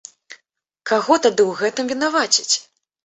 Каго тады ў гэтым вінаваціць?